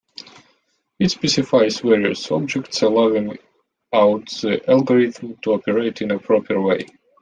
It specifies various "objects" allowing out the algorithm to operate in a proper way.